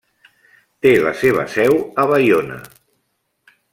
Té la seva seu a Baiona.